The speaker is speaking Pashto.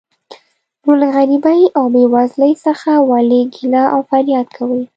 نو له غریبۍ او بې وزلۍ څخه ولې ګیله او فریاد کوې.